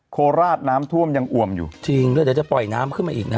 โคราชน้ำท่วมยังอ่วมอยู่จริงแล้วเดี๋ยวจะปล่อยน้ำขึ้นมาอีกนะฮะ